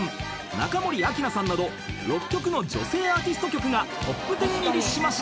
中森明菜さんなど６曲の女性アーティスト曲がトップ１０入りしました］